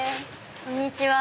こんにちは。